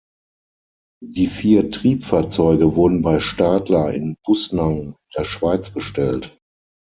Die vier Triebfahrzeuge wurden bei Stadler in Bussnang in der Schweiz bestellt.